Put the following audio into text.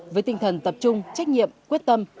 với tinh thần tập trung trách nhiệm quyết tâm